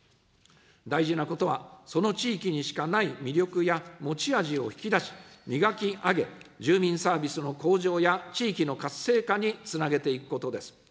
大事なことは、その地域にしかない魅力や持ち味を引き出し、磨き上げ、住民サービスの向上や地域の活性化につなげていくことです。